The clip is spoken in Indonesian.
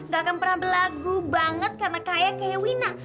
gak akan pernah berlagu banget karena kaya kaya wina